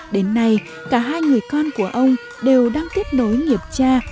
đến nay cả hai người con của ông đều đang tiếp nối nghiệp cha